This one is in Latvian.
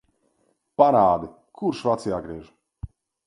Parādi, kurš vads jāgriež.